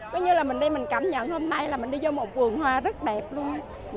coi như là mình đi mình cảm nhận hôm nay là mình đi vô một vườn hoa rất đẹp luôn